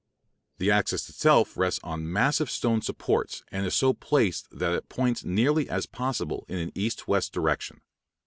The axis itself rests on massive stone supports, and is so placed that it points as nearly as possible in an east and west direction.